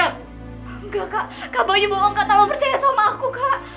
enggak kak kakak baru dibohong kak takut percaya sama aku kak